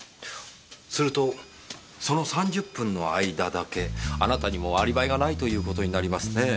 するとその３０分の間だけあなたにもアリバイがないということになりますね。